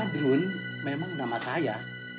pak badrun memang nama saya